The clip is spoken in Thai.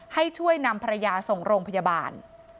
ให้ช่วยนำภรรยาส่งโรงพยาบาล